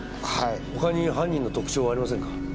他に犯人の特徴はありませんか？